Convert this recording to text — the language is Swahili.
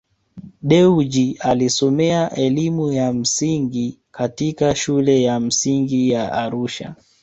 Dewji Alisomea elimu ya msingi katika shule ya msingi ya Arusha